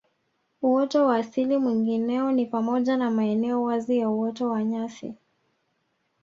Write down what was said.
Uoto wa asili mwingineo ni pamoja na maeneo wazi ya uoto wa nyasi